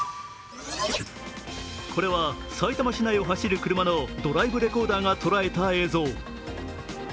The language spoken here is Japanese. これはさいたま市内を走る車のドライブレコーダーが捉えた映像。